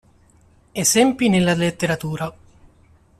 Esempi nella letteratura